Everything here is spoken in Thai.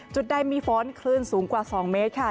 จุดใดมีฝนคลื่นสูงกว่า๒เมตรค่ะ